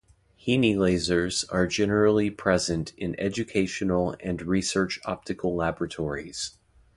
HeNe lasers are generally present in educational and research optical laboratories.